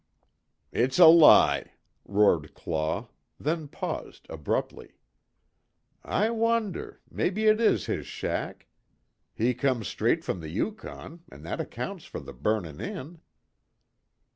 "It's a lie!" roared Claw, then paused, abruptly. "I wonder maybe it is his shack. He come straight from the Yukon, an' that accounts fer the burnin' in."